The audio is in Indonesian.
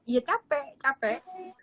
ya capek capek